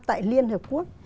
tại liên hợp quốc